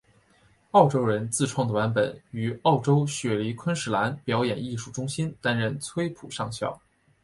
澳洲人自创的版本于澳洲雪梨昆士兰表演艺术中心担任崔普上校。